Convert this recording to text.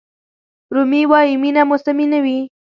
رومي وایي مینه موسمي نه وي.